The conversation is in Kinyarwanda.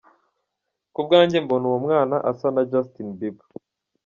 Ku bwanjye mbona uwo mwana asa na Justin Bieber”.